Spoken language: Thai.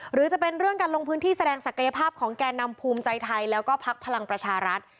หรือจะเป็นเรื่องการลงพื้นที่แสดงศักยภาพของแก่นำภูมิใจไทยแล้วก็พักพลังประชารัฐ